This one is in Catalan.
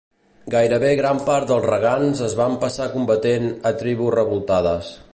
Gairebé gran part dels regants es van passar combatent a tribus revoltades.